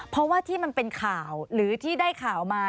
เพราะว่าที่มันเป็นข่าวหรือที่ได้ข่าวมา